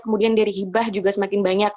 kemudian dari hibah juga semakin banyak